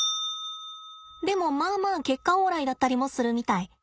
でもまあまあ結果オーライだったりもするみたい。